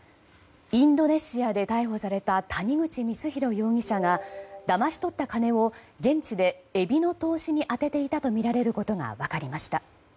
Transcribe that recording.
インドネシアで逮捕された谷口光弘容疑者がだまし取った金を現地でエビの投資に充てていたとみられることが分かりました。